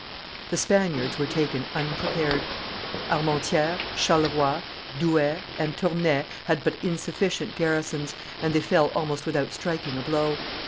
The Spaniards were taken unprepared: Armentieres, Charleroi, Douai, and Tournay had but insufficient garrisons, and they fell almost without striking a blow.